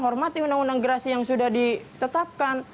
hormati undang undang gerasi yang sudah ditetapkan